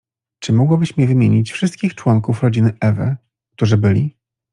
— Czy mogłabyś mi wymienić wszystkich członków ro dziny Ewy, którzy byli.